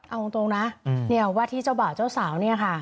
เอาตรงนะเนี่ยว่าที่เจ้าบ่าวเจ้าสาวเนี่ยค่ะ